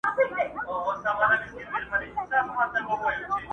وې نارې د جاله وان شور د بلبلو!!